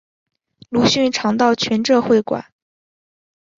鲁迅常到全浙会馆。